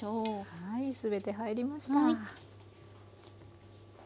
はい全て入りました。